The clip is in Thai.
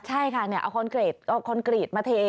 ใช่ค่ะเอาคอนกรีตมาเท